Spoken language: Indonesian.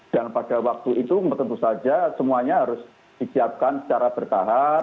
dan pada waktu itu tentu saja semuanya harus disiapkan secara bertahap